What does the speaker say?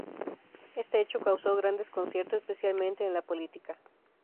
Este hecho causó gran desconcierto, especialmente en la política.